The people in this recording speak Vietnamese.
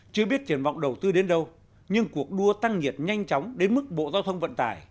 chưa biết triển vọng đầu tư đến đâu nhưng cuộc đua tăng nhiệt nhanh chóng đến mức bộ giao thông vận tải